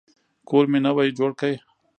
کور مي نوی جوړ کی.